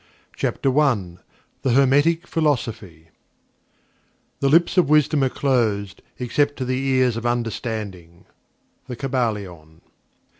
CHAPTER I THE HERMETIC PHILOSOPHY "The lips of wisdom are closed, except to the ears of Understanding" The Kybalion.